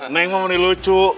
neng mau menilucu